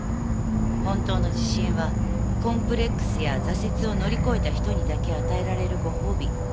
本当の自信はコンプレックスや挫折を乗り越えた人にだけ与えられるご褒美。